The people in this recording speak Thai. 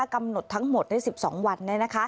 กำหนดทั้งหมดได้๑๒วัน